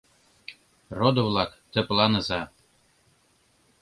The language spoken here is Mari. Родо-влак, тыпланыза!